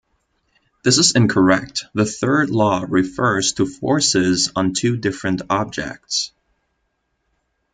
This is incorrect; the Third Law refers to forces on two different objects.